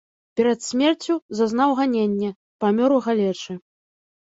Перад смерцю зазнаў ганенне, памёр у галечы.